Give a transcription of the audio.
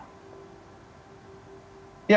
bagaimana dengan sentimen di bidang properti pak